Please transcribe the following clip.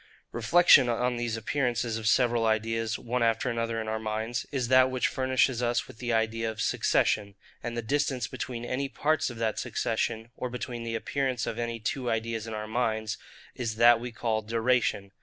Reflection on these appearances of several ideas one after another in our minds, is that which furnishes us with the idea of SUCCESSION: and the distance between any parts of that succession, or between the appearance of any two ideas in our minds, is that we call DURATION.